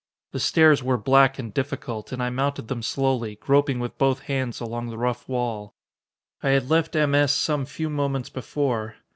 The stairs were black and difficult, and I mounted them slowly, groping with both hands along the rough wall. I had left M. S. some few moments before.